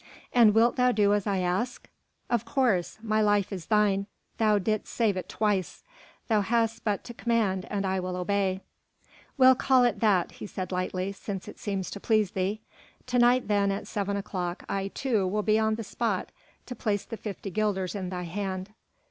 "And wilt thou do as I ask?" "Of course. My life is thine; thou didst save it twice. Thou hast but to command and I will obey." "We'll call it that," he said lightly, "since it seems to please thee. To night then at seven o'clock, I too, will be on the spot to place the fifty guilders in thy hand."